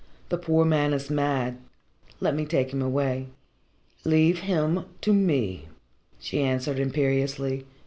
"The poor man is mad. Let me take him away." "Leave him to me," she answered imperiously.